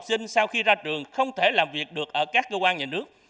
và nhiều học sinh sau khi ra trường không thể làm việc được ở các cơ quan nhà nước